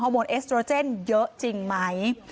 โมนเอสโตรเจนเยอะจริงไหม